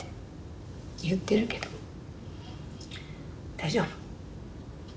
大丈夫。